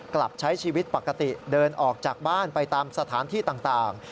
กลับใช้ชีวิตปกติเดินออกจากบ้านไปตามสถานที่ต่าง